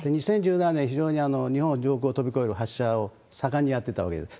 ２０１７年、非常に日本上空を飛び越える発射を盛んにやってたわけです。